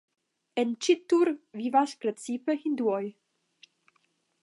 En Ĉittur vivas precipe hinduoj.